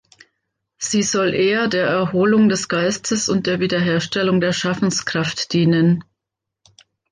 Sie soll eher der Erholung des Geistes und der Wiederherstellung der Schaffenskraft dienen.